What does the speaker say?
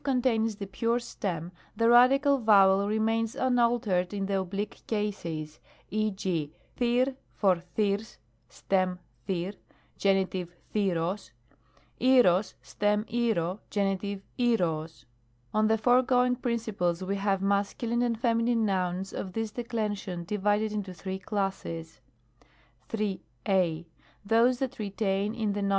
contains the pure stem, the radical vowel remains unaltered in the oblique cases, e. g. &riQ for &r^Qg (stem i9j]^)y Gen. &riQ og ; iiQcog (stem TlQ(o)i Gen. TjQco og. On the foregoing principles we have Masc. and Fem. nouns of this declension divided into three classes : 3. I. Those that retain in the Nom.